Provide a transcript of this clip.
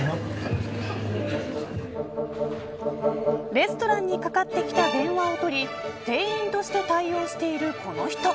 レストランにかかってきた電話を取り店員として対応しているこの人。